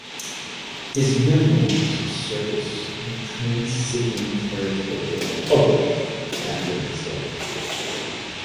His memoirs of service in the Transcaspian territory were published after his death.